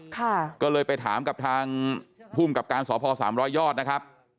ก็เลยไปถามกับทางภูมิกับการสพสามร้อยยอดนะครับ